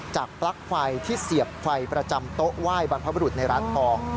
ปลั๊กไฟที่เสียบไฟประจำโต๊ะไหว้บรรพบรุษในร้านทอง